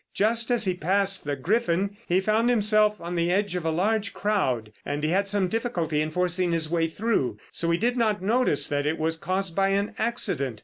Just as he passed the Griffin he found himself on the edge of a large crowd, and he had some difficulty in forcing his way through; so he did not notice that it was caused by an accident.